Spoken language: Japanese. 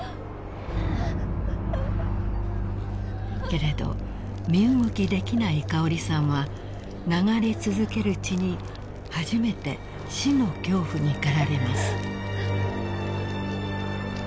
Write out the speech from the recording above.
［けれど身動きできない香織さんは流れ続ける血に初めて死の恐怖に駆られます］